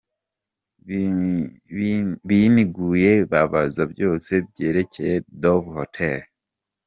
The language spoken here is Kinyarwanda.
Biniguye babaza byose byerekeye Dove Hotel.